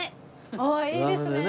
ああいいですね！